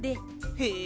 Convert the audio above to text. へえ。